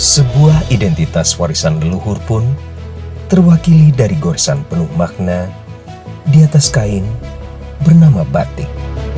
sebuah identitas warisan leluhur pun terwakili dari goresan penuh makna di atas kain bernama batik